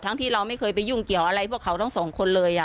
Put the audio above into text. ที่เราไม่เคยไปยุ่งเกี่ยวอะไรพวกเขาทั้งสองคนเลย